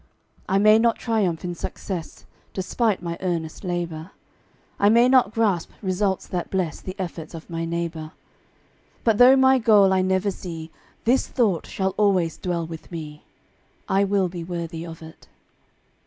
I may not triumph in success, Despite my earnest labor; I may not grasp results that bless The efforts of my neighbor; But though my goal I never see, This thought shall always dwell with me I will be worthy of it.